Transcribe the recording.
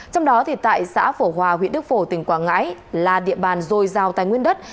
trong đó tại xã phổ hòa huyện đức phổ tỉnh quảng ngãi là địa bàn dồi dào tài nguyên đất